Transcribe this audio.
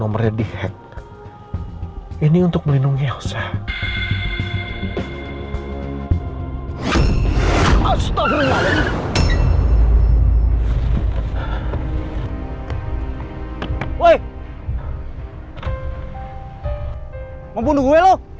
mau bunuh gue lo